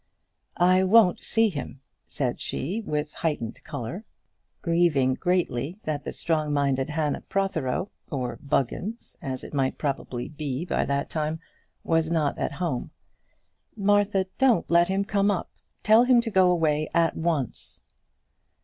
"I won't see him," said she, with heightened colour, grieving greatly that the strong minded Hannah Protheroe, or Buggins, as it might probably be by that time, was not at home. "Martha, don't let him come up. Tell him to go away at once."